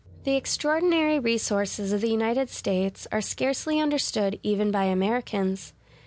The extraordinary resources of the United States are scarcely understood even by Americans.